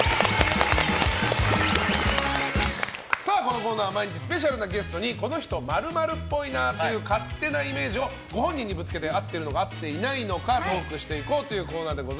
このコーナーは毎日スペシャルなゲストにこの人○○っぽいなという勝手なイメージをご本人にぶつけて合っているのか合っていないのかトークしていこうというコーナーです。